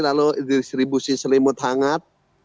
lalu distribusi selimut hangat